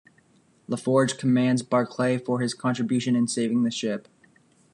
LaForge commends Barclay for his contribution in saving the ship.